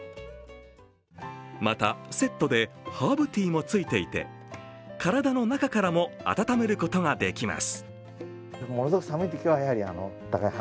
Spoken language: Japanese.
また、セットでハーブティーもついていて、体の中からも温めることができます。